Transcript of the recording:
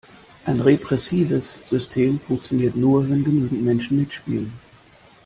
Ein repressives System funktioniert nur, wenn genügend Menschen mitspielen.